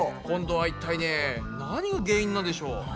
今度は一体ね何が原因なんでしょう？